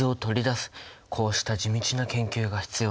こうした地道な研究が必要なんだね。